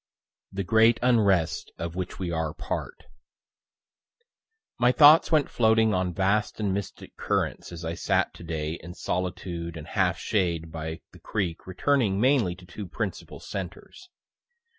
THE GREAT UNREST OF WHICH WE ARE PART My thoughts went floating on vast and mystic currents as I sat to day in solitude and half shade by the creek returning mainly to two principal centres.